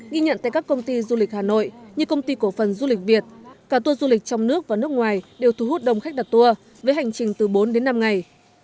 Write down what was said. ghi nhận tại các công ty du lịch hà nội như công ty cổ phần du lịch việt cả tour du lịch trong nước và nước ngoài đều thu hút đông khách đặt tour với hành trình từ bốn đến năm ngày